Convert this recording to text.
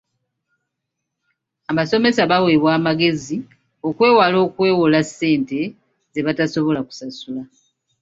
Abasomesa baweebwa amagezi okwewala okwewola ssente ze batasobola kusasula.